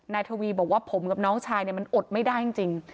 ทวีบอกว่าผมกับน้องชายมันอดไม่ได้จริง